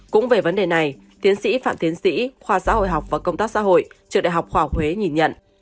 cũng về vấn đề này tiến sĩ phạm tiến sĩ khoa xã hội học và công tác xã hội trường đại học khoa học huế nhìn nhận